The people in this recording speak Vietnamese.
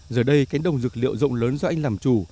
giờ đây cánh đồng dược liệu rộng lớn do anh làm chủ